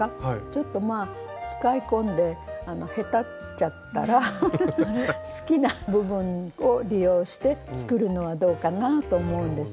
ちょっとまあ使い込んでへたっちゃったらフフフ好きな部分を利用して作るのはどうかなと思うんですよね。